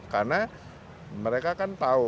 karena mereka kan tahu